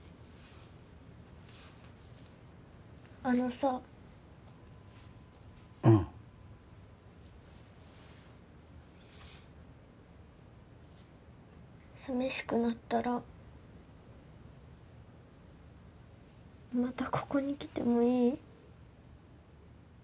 あのさうん寂しくなったらまたここに来てもいい？